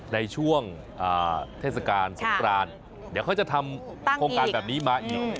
ในช่วงเทศกาลสงครานเดี๋ยวเขาจะทำโครงการแบบนี้มาอีก